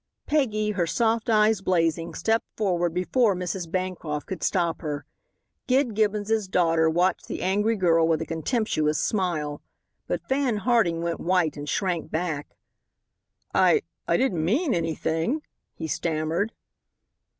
Peggy, her soft eyes blazing, stepped forward before Mrs. Bancroft could stop her. Gid Gibbon's daughter watched the angry girl with a contemptuous smile. But Fan Harding went white and shrank back. "I I didn't mean anything," he stammered.